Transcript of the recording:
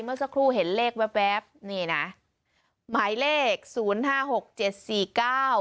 เมื่อสักครู่เห็นเลขแป๊บแวบนี่น่ะหมายเลขศูนย์ห้าหกเจ็ดสี่เก้า